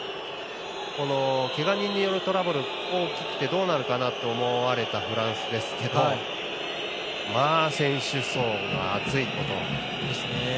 けが人によるトラブルが多くてどうなるかと思われたフランスですけども選手層の厚いこと。